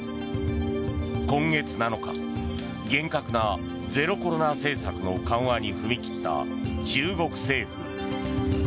今月７日厳格なゼロコロナ政策の緩和に踏み切った中国政府。